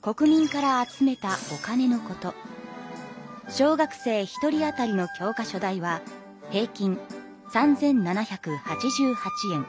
小学生１人あたりの教科書代は平均３，７８８円。